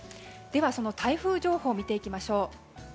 ではその台風情報見ていきましょう。